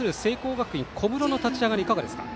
学院小室の立ち上がりはいかがですか。